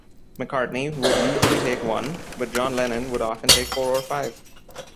McCartney would usually take one, but John Lennon would often take four or five.